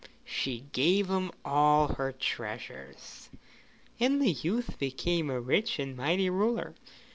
She gave him all her treasures, and the youth became a rich and mighty ruler.